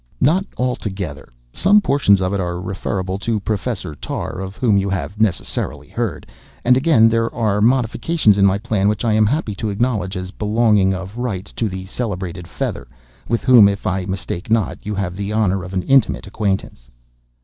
"Not altogether. Some portions of it are referable to Professor Tarr, of whom you have, necessarily, heard; and, again, there are modifications in my plan which I am happy to acknowledge as belonging of right to the celebrated Fether, with whom, if I mistake not, you have the honor of an intimate acquaintance."